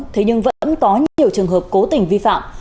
thế nhưng vẫn có nhiều trường hợp cố tình vi phạm